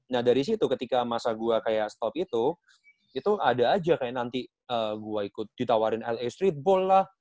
nah dari situ ketika masa gue kayak stop itu itu ada aja kayak nanti gue ikut ditawarin la streetball lah